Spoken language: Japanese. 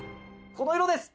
この色です。